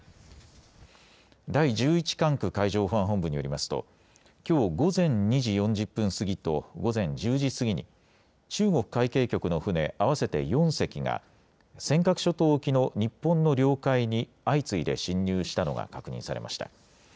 第１１管区海上保安本部によりますと、きょう午前２時４０分過ぎと午前１０時過ぎに、中国海警局の船合わせて４隻が、尖閣諸島沖の日本の領海に相次いで侵入したのが確認されました。